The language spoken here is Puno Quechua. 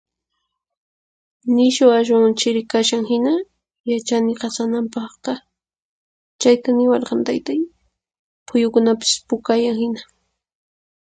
Nishu ashwan chiri kashan hina yachani qasananpaqta. Chayta niwarqan taytay, phuyukunapis pukayan hina.